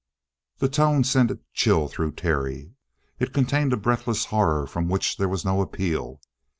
The tone sent a chill through Terry; it contained a breathless horror from which there was no appeal.